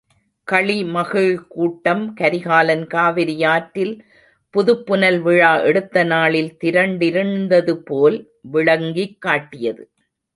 களிமகிழ் கூட்டம் கரிகாலன் காவிரியாற்றில் புதுப் புனல் விழா எடுத்த நாளில் திரண்டிருந்ததுபோல் விளங்கிக் காட்டியது.